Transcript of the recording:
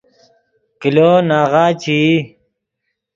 کلو ناغہ چے ای